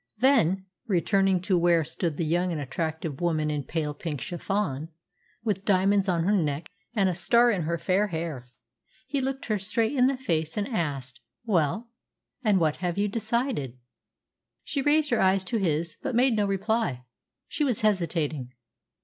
Then, returning to where stood the young and attractive woman in pale pink chiffon, with diamonds on her neck and a star in her fair hair, he looked her straight in the face and asked, "Well, and what have you decided?" She raised her eyes to his, but made no reply. She was hesitating.